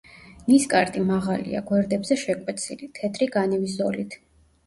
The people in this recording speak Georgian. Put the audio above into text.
ნისკარტი მაღალია, გვერდებზე შეკვეცილი, თეთრი განივი ზოლით.